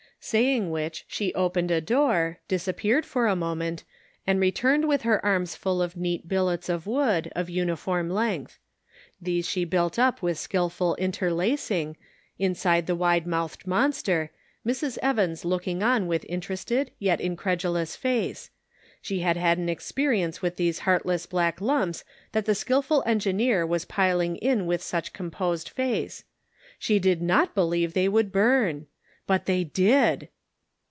Saying which she opened a door, disappeared for a moment, and returned with her arms full of neat billets of wood, of uniform length ; these she built up with skillful interlacing, inside the wide mouthed monster, Mrs. Evans looking on with interested, yet incredulous face — she had had an experience with these heartless black lumps that the skillful engineer was piling in with t such composed face ; she Serving Christ in the Kitchen. 313 did not believe they would burn! But they did!